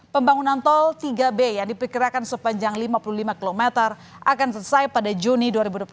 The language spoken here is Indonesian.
pembangunan tol tiga b yang diperkirakan sepanjang lima puluh lima km akan selesai pada juni dua ribu dua puluh tiga